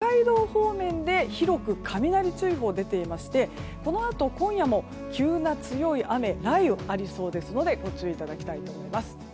特に、北海道方面で広く雷注意報が出ていまして、このあと今夜も急な強い雨、雷雨がありそうですのでご注意いただきたいと思います。